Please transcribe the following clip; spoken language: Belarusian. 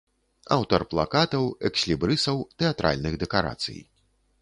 Аўтар плакатаў, экслібрысаў, тэатральных дэкарацый.